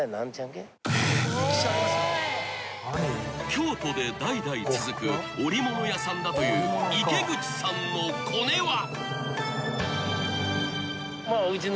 ［京都で代々続く織物屋さんだという池口さんのコネは！？］